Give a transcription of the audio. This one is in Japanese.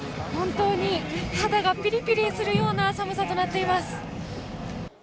本当に肌がピリピリするような寒さとなっています。